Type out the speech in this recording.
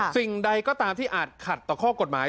สิ่งใดก็ตามที่อาจขัดต่อข้อกฎหมาย